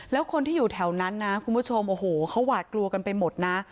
แล้วคนที่อยู่แถวนั้นนะคุณผู้ชมโอ้โหเขาหวาดกลัวกันไปหมดนะ